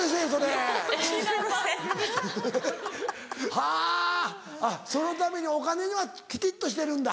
はぁそのためにお金にはきちっとしてるんだ。